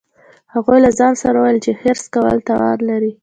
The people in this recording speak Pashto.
هغې له ځان سره وویل چې حرص کول تاوان لري